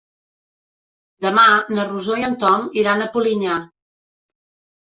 Demà na Rosó i en Tom iran a Polinyà.